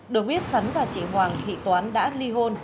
được biết sắn và chị hoàng thị toán đã ly hôn